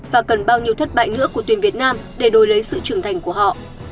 và cần bao nhiêu thất bại nữa của tuyển việt nam để đổi lấy sự trưởng thành của họ